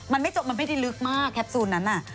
มันไม่จบมันไม่ได้ลึกมากแคปซูลนั้นน่ะ